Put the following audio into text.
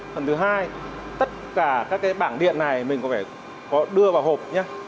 phần thứ hai tất cả các bảng điện này mình có phải đưa vào hộp nhé